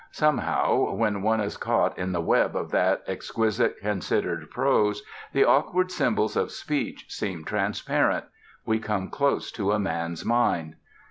Somehow, when one is caught in the web of that exquisite, considered prose, the awkward symbols of speech seem transparent; we come close to a man's mind.